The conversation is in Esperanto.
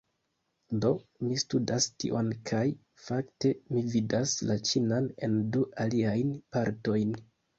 Do, mi studas tion kaj, fakte, mi dividas la ĉinan en du aliajn partojn